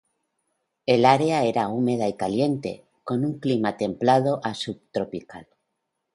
El área era húmeda y caliente con un clima templado a subtropical.